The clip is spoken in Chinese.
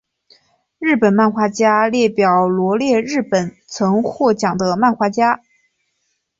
日本漫画家列表罗列日本曾获奖的漫画家。